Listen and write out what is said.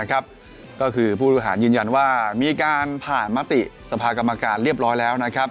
ก็คือผู้บริหารยืนยันว่ามีการผ่านมติสภากรรมการเรียบร้อยแล้ว